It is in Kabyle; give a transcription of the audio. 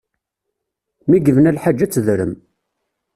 Mi yebna lḥaǧa ad tedrem.